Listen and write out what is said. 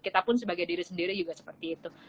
kita pun sebagai diri sendiri juga seperti itu